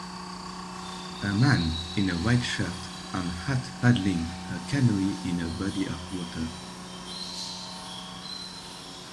a man in a white shirt and hat paddling a canoe in a body of water.